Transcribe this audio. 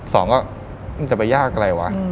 สองก็มันจะไปยากอะไรวะ